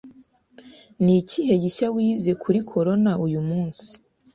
Ni ikihe gishya wize kuri corona uyu munsi